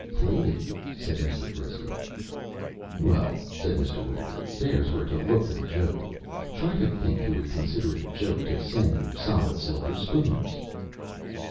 "Plated," said Mr. Griscom. "Well," said Mr. Wittaker, "there's where to look for the joke. Try to think who would consider it a joke to send you solid silver spoons."